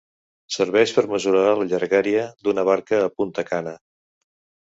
Serveix per mesurar la llargària d'una barca a Punta Cana.